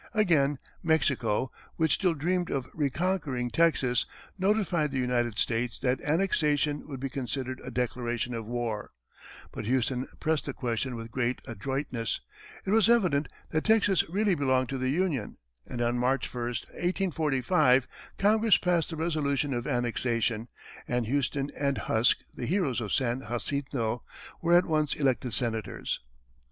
Again, Mexico, which still dreamed of reconquering Texas, notified the United States that annexation would be considered a declaration of war; but Houston pressed the question with great adroitness, it was evident that Texas really belonged in the Union, and on March 1, 1845, Congress passed the resolution of annexation, and Houston and Husk, the heroes of San Jacinto, were at once elected senators.